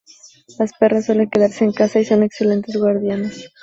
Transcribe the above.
Las perras suelen quedarse en casa y son excelentes guardianas.